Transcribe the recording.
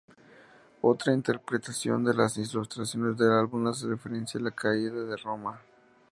Otra interpretación de las ilustraciones del álbum hace referencia a la caída de Roma.